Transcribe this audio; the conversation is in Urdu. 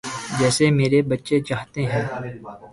جیسے میرے بچے چاہتے ہیں۔